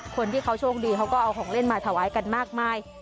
คนที่เขาโชคดีเขาก็เอาของเล่นมาถวายกันมากมาย